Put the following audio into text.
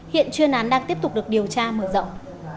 hiện chuyên án đang tiếp tục được điều tra mở rộng